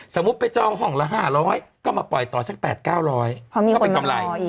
สมมุติไปจองห้องละ๕๐๐ก็มาปล่อยต่อสัก๘๙๐๐ก็เป็นกำไร